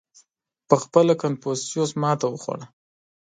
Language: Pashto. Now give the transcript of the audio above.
• پهخپله کنفوسیوس ماتې وخوړه.